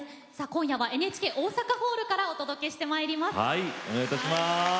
今夜は、ＮＨＫ大阪ホールからお届けしてまいります。